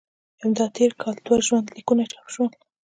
همدا تېر کال دوه ژوند لیکونه چاپ شول.